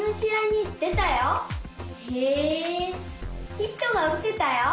ヒットがうてたよ。